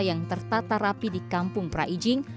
yang tertata rapi di kampung praijing